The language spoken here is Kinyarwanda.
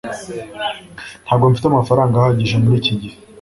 Ntabwo mfite amafaranga ahagije muri iki gihe